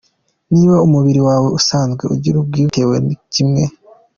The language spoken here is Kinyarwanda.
Niba umubiri wawe usanzwe ugira ubwivumbure bitewe na kimwe